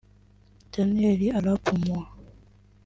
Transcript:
Daniel arap Moi